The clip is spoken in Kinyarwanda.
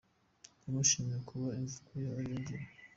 Yamushimiye kuba "Imvugo ye ari yo ngiro".